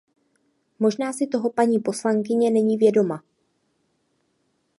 Možná si toho paní poslankyně není vědoma.